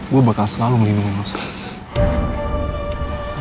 gue bakal selalu melindungi lo sar